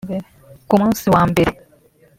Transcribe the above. Ku munsi wa mbere